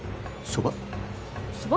そば？